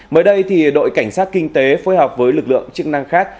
mới đây đội cảnh sát kinh tế phối hợp với lực lượng chức năng khác